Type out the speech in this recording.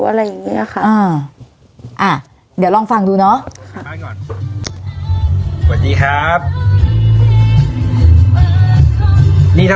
อะไรอย่างเงี้ยค่ะอ่าเดี๋ยวลองฟังดูเนาะ